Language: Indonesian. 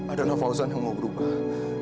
adalah fauzan yang mau berubah